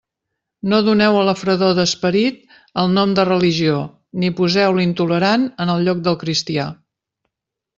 No doneu a la fredor d'esperit el nom de religió; ni poseu l'intolerant en el lloc del cristià.